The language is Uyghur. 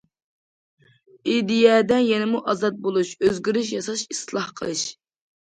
ئىدىيەدە يەنىمۇ ئازاد بولۇش، ئۆزگىرىش ياساش، ئىسلاھ قىلىش.